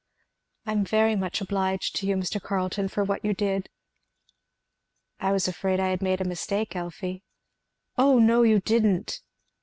"I am very much obliged to you, Mr. Carleton, for what you did!" "I was afraid I had made a mistake, Elfie." "Oh, no, you didn't."